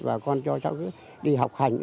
và con cho đi học hành